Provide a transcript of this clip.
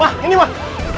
mah ini mah